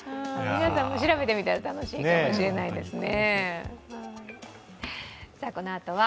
皆さんも調べてみたら楽しいかもしれないですね。